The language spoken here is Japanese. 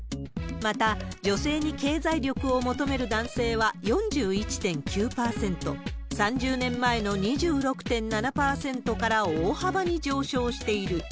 また、女性に経済力を求める男性は４１．９％、３０年前の２６．７％から大幅に上昇している。